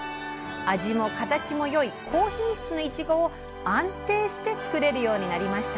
味も形も良い高品質のいちごを安定して作れるようになりました